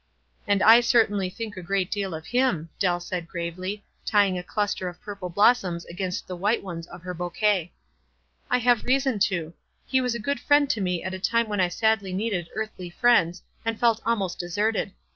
^ And I certainly think a great deal o=^ him," Dtll said gravely, tying a cluster of purple blos soms against the white ones of her bouquet. "I have reason to. He was a good friend to me at a time when I sadly needed earthly friends, and felt almost deserted.